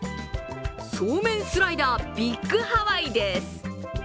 そうめんスライダービッグハワイです。